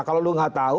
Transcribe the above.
kalau lu nggak tahu